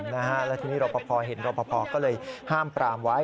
แล้วทีนี้รอปภเห็นรอปภก็เลยห้ามปรามไว้